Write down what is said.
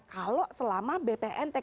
kalau selama bpn tkn